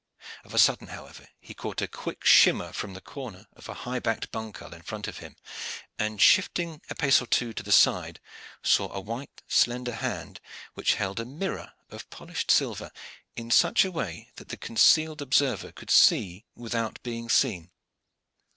Of a sudden, however, he caught a quick shimmer from the corner of a high backed bancal in front of him, and, shifting a pace or two to the side, saw a white slender hand, which held a mirror of polished silver in such a way that the concealed observer could see without being seen.